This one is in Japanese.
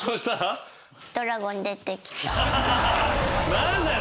何だよ